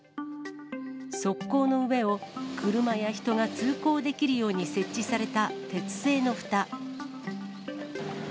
側溝の上を車や人が通行できるように設置された鉄製のふた。